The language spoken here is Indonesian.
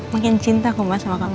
makin cinta aku mah sama kamu